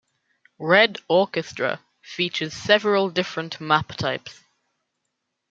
"Red Orchestra" features several different map types.